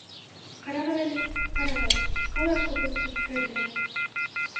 — Ҡарағыҙ әле, ҡарағыҙ, ҡалай ҡот осҡос кәрлә!